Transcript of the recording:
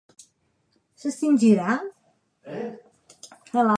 S'extingirà?